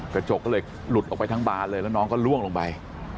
กระจกก็เลยหลุดออกไปทั้งบานเลยแล้วน้องก็ล่วงลงไป